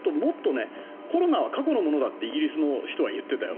コロナは過去のものだってイギリスの人は言っていたよ。